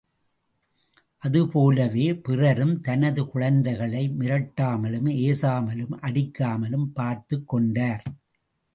அது போலவே, பிறரும் தனது குழந்தைகளை மிரட்டாமலும், ஏசாமலும், அடிக்காமலும் பார்த்துக் கொண்டார்.